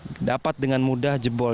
yang dapat dengan mudah jebol